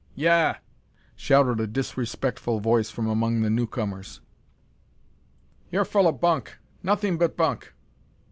"Yah!" shouted a disrespectful voice from among the newcomers. "You're full o' bunk! Nothing but bunk!"